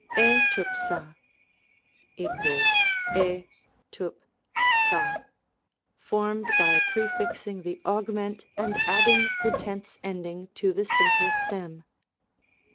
t'Tvip a = {t rvn oa), formed by prefix ing the augment and adding the tense ending to the simple stem.